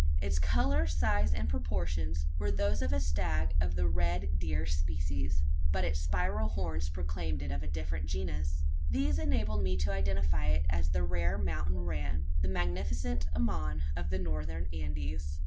Its colour, size, and proportions, were those of a stag of the red deer species; but its spiral horns proclaimed it of a different genus. These enabled me to identify it as the rare mountain ram the magnificent ammon, of the Northern Andes.